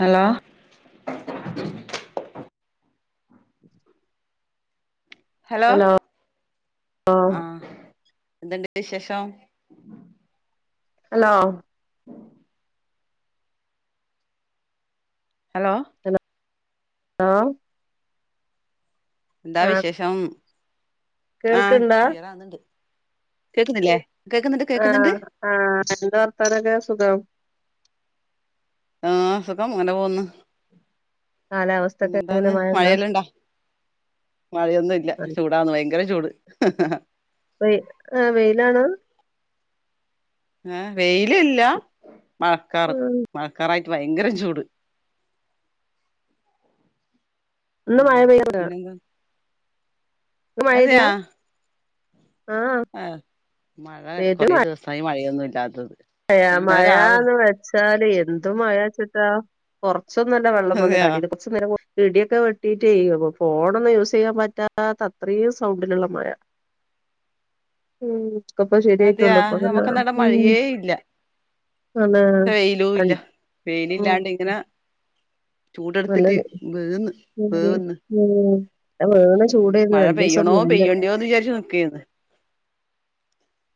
Hello hello ആ എന്ത് ഇ‌ണ്ട് വിശേഷം ഹലോ ഹലോ ലോ എന്താ വിശേഷം ഉം ആ കേൾക്കണ്ടാ ക്ലിയറാവ്ന്ന് ഇണ്ട് കേക്ക്ന്ന് ഇല്ലെ ആ ആ എന്താ വർത്താനൊക്കെ സുഖം ആ സുഖം ഇങ്ങനെ പോവ്ന്ന് പിന്നെ കാലാവസ്ഥൊക്കെ എങ്ങനെ എന്താന്ന് മഴണ്ടാ മഴയെല്ലാം ഇണ്ടോ മഴയൊന്നും ഇല്ല ചൂടാന്ന് ഭയങ്കര ചൂട് വെയ് ആ വെയിലാണോ ഏ വെയിൽ ഇല്ലാ മഴക്കാറ് മഴ ക്കാറായിട്ട് ഭയങ്കരം ചൂട് ഇന്ന് ഉം മഴ പിന്നെന്താ ന്ന് മഴ പെയ്തില്ലാ ആ മഴ പെരും കൊറെ ദിവസായി മഴയൊന്നുല്ല് ല്ലാത്തത് മഴ മഴാന്ന് വെച്ചാൽ എന്ത് മഴാച്ചിട്ടാ പൊറത്ത് ച്ചൊന്നുവല്ല വെള്ളം വന്ന് അതെയാ ചാടീത് കൊറച്ച് നേരം കൂടി ഇടിയൊക്കെ വെട്ടിട്ട് പെയ്യും അപ്പോ ഫോണൊന്നും യൂസ് ചെയ്യാൻ പറ്റാത്ത അത്രയും സൗണ്ടിലുള്ള മഴ ഉം ക്കെ ഇപ്പ അതെയാ ശരിയിട്ടൊള്ളു ഇപ്പ പിന്നാ നമുക്കന്നാടെ ഉം മഴയേ ഇല്ല ആണ് വെയിലും ഇല്ല ഉം വെയിലില്ലാണ്ട് ഇങ്ങനാ നല്ല ചൂടെടുത്തിറ്റ് വേവ്ന്ന് ഉം വേവ്ന്ന് ഉം. ആ വേണ ഉം ചൂടായിരുന്നു മഴ രണ്ടീസം പെയ്യണോ മുന്നേ പെയ്യണ്ടെയോന്ന് വിചാരിച്ച് നിക്കായിരുന്ന്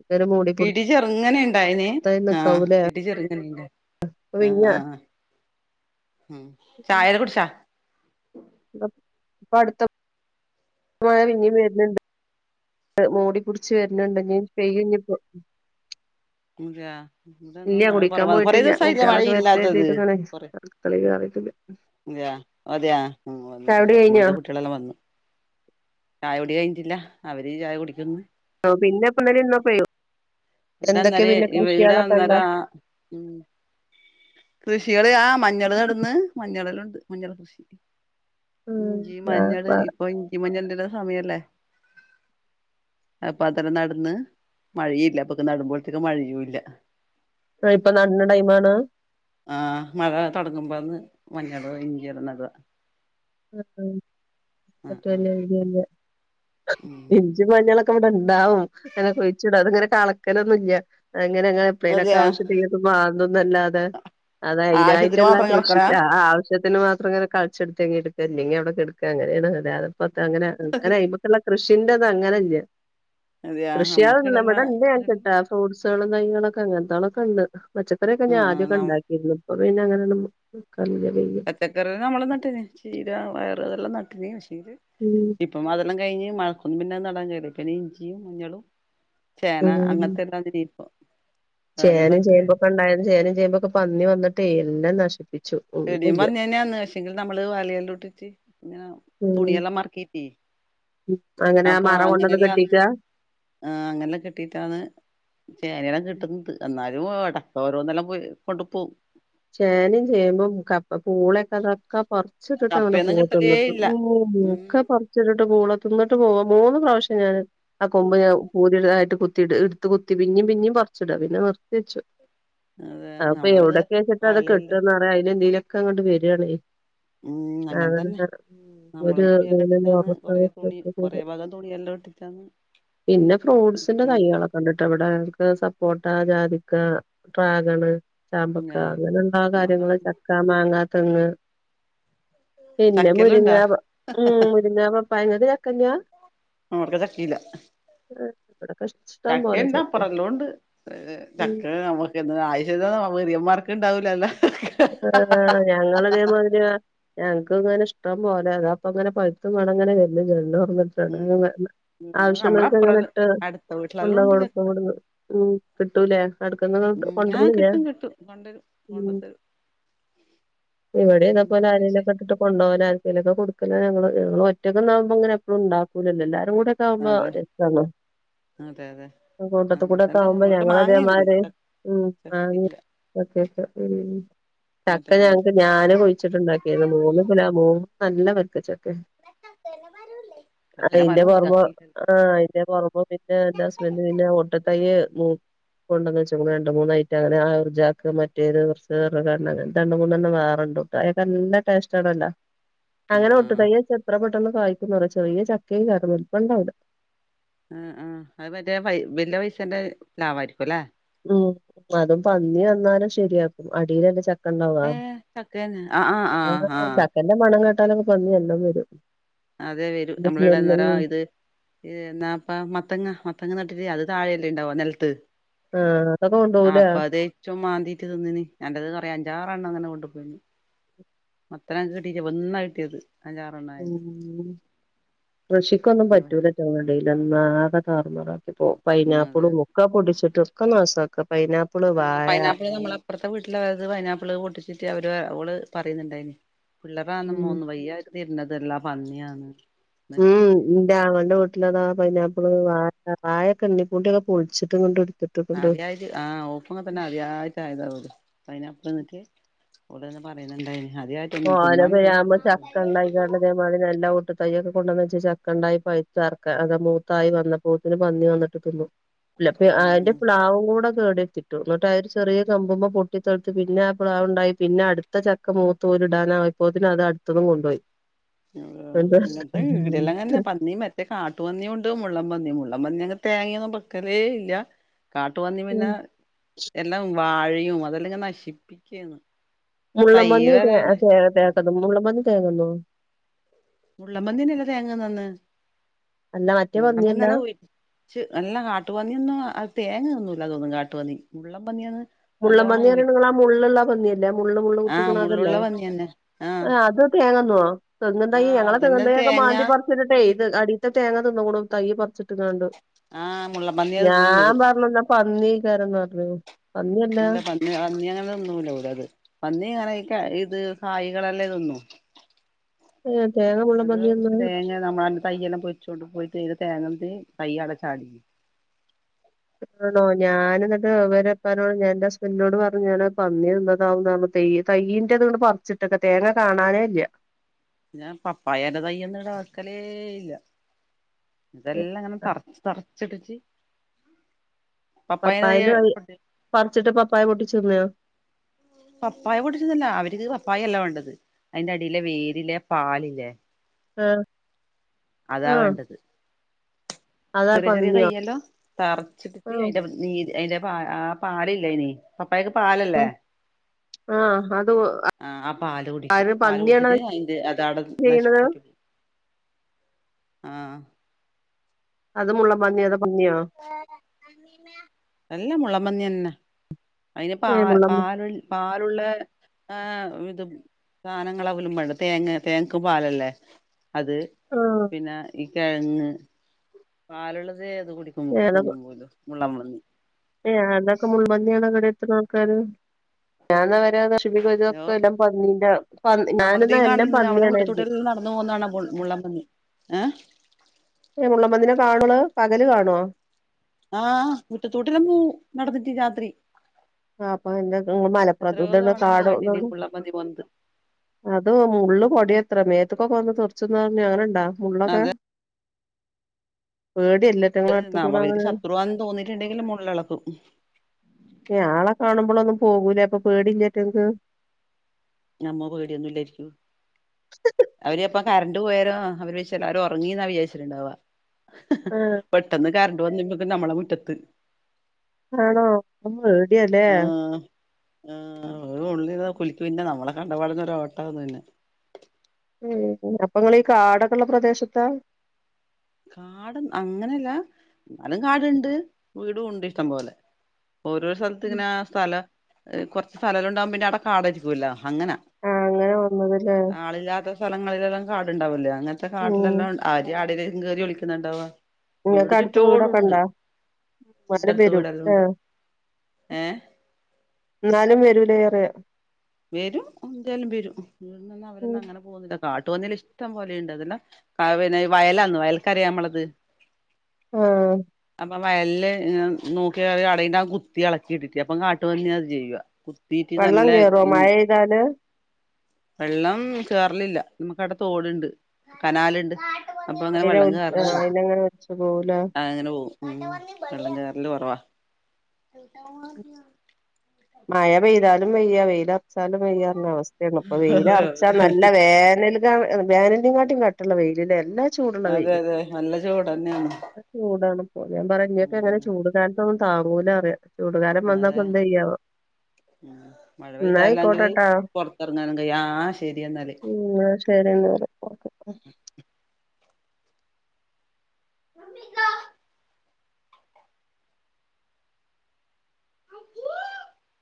ഇങ്ങനെ മൂടി ഇടി ചെറുങ്ങനെണ്ടായിനീ പിടുത്തായി ആ നിക്കാവൂലേ ഇടി ചെർങ്ങനണ്ടായി അപ്പൊ ആ പിന്ന ആ ചായല്ലൊ കുടിച്ചാ ഇപ്പ അടുത്ത മഴ പിന്നി വര്ന്ണ്ട് മൂടി പുടിച്ച് വരുന്നുണ്ട് നി പെയ്യുംഞ്ഞിപ്പോ ൻ ഗ ഇവടെന്നും മഴ കുടിക്കാൻ കുറവാ കുറെ പോയിട്ടില്ല ദിവസമായി മഴ കുട്ടികളൊക്കെ വരട്ടെ ഇല്ലാത്തത് കരുതിയിട്ട് ഇങ്ങനെ അടുക്കളയിൽ കേറിയിട്ടില്ല മതിയാ ചായുടി കഴിഞ്ഞോ ഇവിടുത്തെ കുട്ടികളെല്ലാം മദ്രസ ചായ കുടിച്ചോ ന്റെകഴിഞ്ഞിട്ടില്ല അവര് ചായ കുടിക്കുന്നു പിന്നെപ്പോ ഇന്നലെ ഇന്നക്കെ [unintelligible] വടെ ന്നേരം വീടാവുന്നേരം കൃഷികള് ആ മഞ്ഞള് നടന്ന് മഞ്ഞളല്ലാം ണ്ട് മഞ്ഞൾ കൃഷി ഉം ഇഞ്ചി ആ മഞ്ഞള് ആ ഇപ്പൊ ഇഞ്ചി മഞ്ഞൾ ന്താ സമയല്ലേ അപ്പൊ അത്രരം നടന്ന് മഴ ഇല്ല അപ്പൊക്കെ നടുമ്പോഴത്തേക്ക മഴയു ല്ല. ആ, ഇപ്പൊ നടണ ടൈമാണ് ആമഴ തുടങ്ങുമ്പോന്ന് മഞ്ഞൾ ഇഞ്ചി ല്ലാ നട [unintelligible] ഉം ഇഞ്ചി മഞ്ഞളൊക്കെ ഇവിടെ ൻ ണ്ടാവും അങ്ങനെ കുഴിച്ചിടും അത്ങ്ങനെ കളക്കലൊന്നുല്ല അങ്ങനെ എ എപ്പളേ ലെക്കെ അതെയാ ആവശ്യത്തിന് മാന്തും അല്ലാതെ അത് ആവശ്യത്തിന് അതിനായിട്ടുള്ള മാത്രം കൃഷി കിളക്കലാ ആവശ്യത്തിന് മാത്രം അങ്ങനെ കളിച്ചെടുത്തെക്കി ട്ക് ല്ലങ്കിഅവിടെ കട്ക്കാഅങ്ങനെണ് ല്ലാ പത്ത അങ്ങനെ ങ്ങനെ അയ്മക്ക് ള്ള കൃഷി ന്റെ ത് അങ്ങനെ ഇല്ല അതെയാ കൃഷിയാ നമ്മക്ക് ഇവട ഇടെല്ലാം ണ്ട് ഞങ്ങക്ക് ട്ടോ ഫ്രൂട്സ് മൊളും തൈകളൊക്കെ അങ്ങനത്താളൊക്കെ ണ്ട് പച്ചക്കറിയൊക്കെ ഞാ ഉം ആദ്യമൊക്കെ ഉം ഉണ്ടാക്കിയിരുന്നു ഇപ്പ പിന്നെ അങ്ങനെ ഒന്നും പച്ചക്കറി നമ്മൾ നട്ടീന്ന് ചി ല വയർ അതൊം നട്ടീന്ന് ഉം ഇപ്പ അതെല്ലാം കഴിഞ്ഞ് മയക്കൊമ്പ് പിന്നെ നടാ പിന്നെ ഇഞ്ചിയും മഞ്ഞളും ചേന ഉം അങ്ങത്തെ ഏമാ രീതി ചേനയും ചേമ്പൊക്കെ ഉണ്ടായിരുന്നു ചേനം ചേമ്പൊക്കെ പന്നി വന്നിട്ടേ എല്ല നശിക്കും ചെടിയും പന്നി എന്നെ വന്ന് നാസിക് വലയല്ലോട്ടിച്ച് ഇങ്ങനെ ഉം തുണിയെല്ലാം മറക്കിട്ടീ ഉം. അങ്ങനെ ആ അപ്പൊ മറ കൊണ്ടന്ന് അങ്ങനെല്ലന്ന് കെട്ടിക്ക ആ അങ്ങനെല്ലാം കിട്ടിട്ടാണ് ചേനെല്ലാം കിട്ടുന്നത് എന്നാലും അപ്പം ഓരോന്നല്ല പു കൊണ്ടു പോവും ചേനയും ചേമ്പും കപ്പ പൂളൊക്കെ കുറച്ചിട്ടിട്ട് അങ്ങനെ കപ്പയൊന്നും പോയിട്ട് കിട്ടലേ വന്നിട്ട് ഇല്ല മ ഉം ഒക്കെ പറച്ചിട്ടിട്ട് പൂള മുന്നോട്ട് പോക മൂന്ന് പ്രാവശ്യം ഞാന് ആ കൊമ്പ് ഞ പൂതിതായിട്ട് കുത്തി എടുത്ത് കുത്തി പിഞ്ഞും പിഞ്ഞും പറിച്ചിടാ പിന്നെ നിർത്തി വച്ചു അതെ നമ്മള ഇത് കേച്ചി് അത് കെട്ടന്ന്റ അതിന് എന്തെലും അങ്ങോട്ട് വരകയാണേ ഉം അങ്ങനെ തന്നെ അ നമ്മള് തുണിയെല്ലാം ഇട്ടിട്ടാണ് കൊറേ തുണി കൊറേ ഭാഗം തുണിയെല്ലാം ഇട്ടിട്ടാണ് പിന്നെ ഫ്രൂട്ട്സിന്റെ കൈകള കണ്ടിട്ട് ഇവിടെ അവർക്ക് സപ്പോർ് ജാതിക്ക ഡ്രാഗണ് ഉം അങ്ങനെ ഉണ്ടാകുന്ന കാര്യങ്ങൾ ആഹ് ചക്കാ മാങ്ങാ തന്നെ ചക്കെല്ലാം ഇണ്ടാ മുരിങ്ങ, പപ്പായ ഇങ്ങക്ക് ചക്കല്ല നമ്മക്ക ചക്കല്ല ഇവിടൊക്കെ ഇഷ്ടം പോലെ ചക്കുണ്ട ചക്ക അപ്പറല്ലാം ഉണ്ട് ഉം ചക്ക നമുക്ക് ആശ വെറിയന്മാർക്ക് ഉണ്ടാവൂലല്ല ആ ഞങ്ങഅതേമാതിരിയ ഞങ്ങക്ക് ഇങ്ങനെ ഇഷ്ടം പോലെ അ അപ്പൊ അങ്ങനെ പൈത്തുംമേണങ്ങനെ വല്ല ചെണോ ഉം ട ആവശ്യുള്ളൊക്കെ എങ്ങനെ നമ്മളപ്പുറം ഇട്ട് അടുത്ത വീട്ടിലെല്ലാം ഉണ്ട ഉണ്ട് ചക്ക കൊടുക്കടുന്ന് ഉ കിട്ടൂലേ അടുക്കുന്ന ഉം ആഹ് കൊണ്ടരുന്നില്ലേ കിട്ടും കിട്ടും കൊണ്ടരും ഉ കൊണ്ടത്തരും ഇവിടെന്ന പോലെ പിന്നെന്താന്ന് ചോയിച്ചേ ആരെലെക്കെ ഇട്ടിട്ട് കൊണ്ടുപോല ആരൊക്കെ കൊടുക്ക ഞങ്ങള്ങ്ങൾ ഒറ്റക്കാവുമ്പോ അങ്ങനെ എപ്പളുംണ്ടാക്കൂലല്ലല്ലേ എല്ലാരും കൂടെ ഒക്കെ ആവുമ്പോ അതെ രസാണ് അതെ അതെ കട്ടത്ത അങ്ങനെ കൂടെ ഒക്കെ തന്നെ ആവുമ്പോ നമ്മളിവിടെ ഞങ്ങള മാങ്ങയുണ്ട് അതേമാര് ഉ ചക്കയില്ല ചക്ക മറ്റേത് ഞങ്ങക്ക് ഞാന് കുഴിച്ചിട്ടുണ്ടാക്കിന്ന് മൂന്ന് പുല മൂ നല്ല വർക്ക് ചെ ചക്കര അതയിന്റെ മരവുണ്ട് പൊറമ ചക്കയില്ല ആ അയിന്റെ പുറമ ആ അയിന്റെ പുറമ പിന്നെ എന്റെ ഹസ്ബന്ഡ പിന്നെ ഒട്ടത്തൈ കൊണ്ടന്നച്ച്ക്ക്ണു രണ്ട് മൂന്നായിട്ട് അങ്ങനെ ആ ഊർജക്ക് മറ്റേത് കുറച്ച് രണ്ടണ്ട് മൂന്നെണ്ണം വേറുണ്ടട്ട് അതൊെല്ല ടേസ്റ്റ ആണല്ലോ അങ്ങനെ ഒട്ടു ആഹ് തയ്യ എത്ര പെട്ടെന്ന്ന്ന് കായ [unintelligible] ചെറിയ ചക്കയും കറപ്പണ്ടവിടെ ആ ആ അത് മറ്റേ പെയ് വെല്ല്യ പൈസേന്റെ ലാഭമായിരിക്കും അല്ലേ ഉ അതും പന്നി വന്നാലും ശരിയാക്കും അടിൽ ച്ച ക്കണ്ടാവാ ഏഹ് ചക്കന്നെ ആഹ് ആഹ് ആഹ് [unintelligible] ആഹ് ചക്കന്റെ മണ പട്ടാലൊക്കെന്നി എല്ല വരും അതെ വരും അതിന്റെ നമ്മള ഇവിടെ സ്മെല്ലും നേരം ഇത് എന്നാപ്പ മത്തങ്ങ മത്തങ്ങ നട്ടിട്ടേ അത് താഴെല്ലെണ്ടാവ നിലത്ത് ആഹ് അതൊക്കെ ആ കൊണ്ടോവൂലേ അപ്പൊ അത് ഏറ്റവും മാന്തിട്ട് തിന്നന് എന്റെത് കൊയാ ജാറെെണ്ണ അങ്ങനെ കൊണ്ടു പോയിന് മത്ര കിട്ടീട്ട ഒന്നാ കിട്ടിയത് അഞ്ചാറെണ്ണായത് ഉം കൃഷിക്കൊന്നും പറ്റൂലറ്റോ വെള്ള [unintelligible] ഒന്നാകെ താറുമാറാ ഇപ്പോ ഉം അതെ പൈനാപ്പിളും ഒക്കാ പൊട്ടിച്ചിട്ടോ [unintelligible] പൈനാപ്പിള് നമ്മള് അപ്പറത്തെ വീട്ടിലെ അവരത് പൈനാപ്പിള് പൊട്ടിച്ചിട്ട് അവര് ഓള് പറയുന്നുണ്ടായിന്. [unintelligible] ഉം മൂന്ന് വയ്യായിർന്ന്. [unintelligible] പന്നിയാന്ന്. ഉം എന്റെ ആങ്ങളെന്റെ വീട്ടിലതാ പൈനാപ്പിള് വാ [unintelligible] പൊടിച്ചിട്ട് ഇങ്ങട്ട് എടു അദ്യായിട്ട് ആഹ് [unintelligible] തന്നെ അത്യായിട്ട് ആയതാ ഓര് പൈനാപ്പിൾ തിന്നിട്ട് [unintelligible] പറയുന്നുണ്ടായിന് ആദ്യായിട്ടൊന്ന് ഓന് തിന്നാൻ ഫ്രീയാകുമ്പോ ചക്ക [unintelligible] [unintelligible] ചക്കണ്ടായി പഴ്ത്ത് എറക്കാ ആകെ മൂത്തായി വന്നപ്പൊത്തിനു പന്നി വന്നിട്ട് തിന്നു [unintelligible] അതിന്റെ ഉം പ്ലാവും കൂട [unintelligible] എന്നിട്ട് അത് ഒരു ചെറിയ കമ്പുന്മേ പൊട്ടി [unintelligible] പിന്നെ ആ പ്ലാവ്ണ്ടായി പിന്നെ അടുത്ത ചക്ക മൂ [unintelligible] അത് അടുത്തതും കൊണ്ടോയി [unintelligible] പന്നി മറ്റേ കാട്ടു പന്നി ഉണ്ട് മുള്ളൻ പന്നി മുള്ളം പന്നി അ തേങ്ങൊന്നും ബെക്കലേ ഇല്ല കാട്ടു പന്നി പിന്നെ എല്ലാം [unintelligible] വാഴയും അതെല്ലെങ്ങ നശിപ്പിക്കേന്നു. മുള്ളം പന്നി [unintelligible] മുള്ളം പന്നി തേങ്ങ ന്നോ മുള്ളം പന്ന്യനല്ലേ തേങ്ങ നന്ന് അല്ല മറ്റേ മുള്ളം പന്നിയല്ല പന്ന്യ ല്ലൊം ഒര്ച്ച് അല്ല കാട്ട് പന്ന്യൊന്ന അ് തേങ്ങ തിന്നൂ ല്ലാ തോന്ന്ന്ന് കാട്ടുപന്നി മുള്ളം പന്ന്യാണ് മുള്ളൻ പന്നി പറ നിങ്ങ മല്ലാ പന്നിയല്ലേ മള്ള് മള്ള് ആഹ് കുത്തിക്കണം അതല്ലേ മുള്ളുള്ള പന്നിയന്നെ ആഹ് ആ അത് തേങ്ങ ആ തെങ്ങും തയ്യ് ആഹ് ഞങ്ങളെ തെങ്ങു അതന്നെ തയ്യൊക്കെ തേങ്ങ മാന്തി പർച്ചിട്ട്ട്ടേ ഈ ഇത് അടി തേങ്ങാ തിന്ന്ക്കുന്നു തയ്യ് പർച്ച്ട്ട്ങ്ങാണ്ട്. ആഹ് മുള്ളംപന്നിയാ ഞാ തിന്നുന്നത് പർഞ്ഞന്ന പന്നി ക്കാരന്നർഞ്ഞോ അല്ല പന്നി പന്ന്യന്നെ തിന്നൂലോലത് പന്നിങ്ങനെ ഈ ക ഇ അത് കായികളല്ലേ ോന്നു ഉം അത്റ തേങ്ങ നമ്മളന്റെ തയ്യെല്ലാം പൊച്ചോൊണ്ട് പോയി ത്ത് തേങ്ങ സൈ ആാ ഛാടി ആണോ ഞാന എന്നിട്ട്വരെപ്പോ ഞാ എന്റെ ഹസ്ബൻറിിനോട് പറഞ്ഞു ഞാന് പന്നി നിന്നതാവുന്ന തെയ്യ തയ്യീൻറെ അതുകൊണ്ട് പറിച്ചിട്ടൊക്കെ തേങ്ങ കാണാനേല്ല ഞാൻ പപ്പായന്റെ തയ്യ ഒന്നുംടക്കലേ ഇല്ല ഏ, ഇതെല്ലാം ഇങ്ങനെ തറച്ച് തറ ചട്ടച്ചി പപ്പായന്റെ ക പറിച്ചിട്ട് പപ്പായ പൊട്ടിച്ചുന്നയോ പപ്പായ കുടിച്ചിരുന്നല്ല അവർക്ക് പപ്പായ അല്ല വേണ്ടത് അതിറെ അടിയിലെ വേരിലേ പാലില്ലേ ആഹ അതാ വേണ്ടത് അതാ ചെറിയ ചെറിയ പന്നിയോ? തയ്യെല്ലോ തറച്ചിട്ടിട്ട് ആഹ് അതിന്റെ നീര് അയിന്റെ പ ആ പാടില്ല ഇനി പപ്പക്ക് പാലല്ലേ ആഹ് ആഹ് അത് ആ ആ പാല് കുടിക്കും ആര് പാല് പന്നിയാണത് കുടിച്ചിട്ട് അതിന്റെ അത അടെ ചെയ്യണത്? നശിിച്ചിട്ട ആഹ അതുമുള്ള മന്ത എല്ലാം മുളമന്ിന്ന അതിന് പ ഏഹ് മുള്ളൻ പാല പാലുള്ള ആ ഇത് സാധനങ്ങ അവലും വണ്ട തേങ്ങ തേങ്ങക്കും പാലല്ലേ അത് ആഹ് പിന്നെ കിഴങ്ങ് പാലുള്ള അതേ അത് കുടിക്ക തിന്നുമ പോലോ മുല്ലമളി എതൊക്കെ മുൻപന് ആണ കടെ എത്ത ആൾക്കാാര്ഞ ഓ നഷിപ്പിക്കതൊക്കെ എല്ലാം പന്നി നമ്മളതീ ഞാനന്നാ എല്ലാം കാണണ്ട് നമ്മളെ പന്നിയണരുത് വീട്ടത്തോട്ടെല്ലാം നടന്നു പോകുന്നതാണ് മുള്ളൻപന്നി ഏഹ് ഏ മുള്ളമ്പന്ിനെ കാണള പകല് കാണുവോ ആഹ് കുറ്റത്തൂട്ടിലന്ന നടന്നിട്ട് രാത്രി ആ അപ്പൊ എന്ത എത്രയോ മലപ്പുറത്ത്ം ഇത തവണ നമ്മള് കാടോന്ന കണ്ടിന് മുള്ളൻപന്നി പോന്നത് അത് മള്ള് പൊടി എത്ര മേത്തക്കൊക്കെ വന്ന് തുറച്ച്ന്ന് പറഞ്ഞഞ് അങ്ങനെ ഇണ്ടാ ഫണല്ലക്ക അത് പേട എല്ലറ്റങ്ങള അടുത്ത് കൂട അവർക്ക് അങ്ങനെ ശത്രുവാന്ന് തോന്നിയിട്ടുണ്ടെങ്കിൽ മുള്ളിളക്കും ആളെ കാണുമ്പോ നമ്മളൊന്നും പോകൂലേ അപ്പൊ പേടല്ലിട്ട അമ്മ പേടിയൊന്നുംല്ലായിരിക്കും അവര്പ്പ കറണ്ട് പോയരോ അവര് വച്ച അവര ഉറങ്ങിന്നാ വിചാരിച്ചിട്ടുണ്ടാവ ആഹ് പെട്ടെന്ന് കാര വ നമ്മളെ വിറ്റത്ത് ആണോ അമ്മ ആഹ ആ ഉള്ളിൽ കുലിക്ക പിന്നെ നമ്മളെ കണ്ടപാടന്നൊ ഓട്ട ഒന്നു പിന്നെ അപ്പൊ നിങ്ങീ കാടകുള്ള പ്രദേശത്താ കാട് അങ്ങനെയല്ല എന്നാലും കാടുണ്ട് വീടുംണ്ട് ഇഷ്ടം പോവലെ ഓരോ സ്ഥലത്ത് ഇങ്ങനെ സ്ഥലം കുറച്ച് സ്ഥലുണ്ടകൻ പിന്ന അവിടെ കാടരിക്കൂല്ല ആഹ അങ്ങനെ വന്നതല്ലേ ആളില്ലാത്ത സ്ഥലങ്ങളിലെല്ലാം കാടുണ്ടാവില്ലേ അങ്ങനത്തെ ഉം കാട്ടിലെല്ലാം ആര് ആട കറി വിളിക്കുന്നുണ്ടാവവാ നിങ്ങക്ക് അടുത്ത് വീടൊക്കെണ്ടാ എന്നാല അടുത്തടുത്ത് വരൂ വീടെല്ലാം ഏ ഉണ്ട് ഏഹ് എന്നാലും വരൂല റെയാ വരും എന്തായാലും വരും അവരന്ന അങ്ങനെ പോുന്നില്ല കാട്ട്പന്നൽ ഇഷ്ടം പോലെയുണ്ട് അതെല്ല പിന്നെ വയലാന്ന് വയൽക്കര നമ്മളത് ആഹ അപ്പ വയല് നോക്കി അടന്റെ കുത്തി ഇളക്കിയിട്ടിട്ട അപ്പം കാട്ടുുമന്നി അത് ചെയ്യുക വീട്ടിൽ നല്ല മഴയതാണ് വെള്ളം കേേറലില്ല നമുക്ക്ടത്ത് ഓടുണ്ട് കനാലുണ്ട് അപ്പൊ അ അങ്ങനെ വെള്ളം ആ കേറലില്ല അയിനങ്ങനെ വിളിച്ച പോവൂല ഉ വെള്ളറല് കുറവാ മായ ബെയതാ വയാ വെത വച്ചാലും വയ്യാറുന്ന അവസ്ഥയാണ് അപ്പൊ വെയിയില അറച്ചാൽ നല്ല വേനൽ വോനന്റെയുംങ്ങാട്ടും കട്ടുള്ള വെയില എല്ലാം അതെ അതെ നല്ല ചൂട തന്നെയാണ് ഓ ഞാൻഞ്ഞീ ഒക്കെങ്ങെ ചൂട്ടാൻ താങ്ങൂല അറിയാം ചൂടുകാരം വന്ന പ എന്ത ചെയ്യാവോ ഉ മഴ എന്നാ പെയ്തല്ലെങ്കില് ആയിക്കോട്ടെട്ടോ പറത്തിറങ്ങാനും കയ ആ ശരി എന്ന എന്നാല് ഉം എന്നാ ശരി എന്നാല് ഓക്കെ നമിക്ക